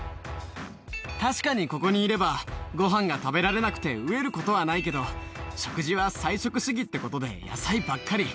確かにここにいれば、ごはんが食べられなくて飢えることはないけど、食事は菜食主義ってことで野菜ばっかり。